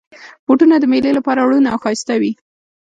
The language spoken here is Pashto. بوټونه د مېلې لپاره روڼ او ښایسته وي.